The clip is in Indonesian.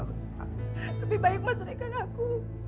lebih baik mas rekan aku